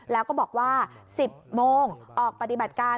แล้วก็บอกว่า๑๐โมงออกปฏิบัติการ